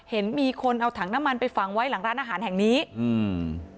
เห็นมีคนเอาถังน้ำมันไปฝังไว้หลังร้านอาหารแห่งนี้อืม